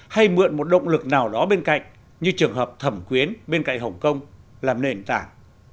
hay mượn một động lực nào đó bên cạnh như trường hợp thẩm quyến bên cạnh hồng kông làm nền tảng